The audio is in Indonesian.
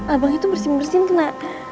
abangnya tuh bersih bersihin kena